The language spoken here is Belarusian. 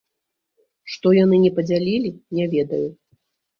Што яны не падзялілі, не ведаю.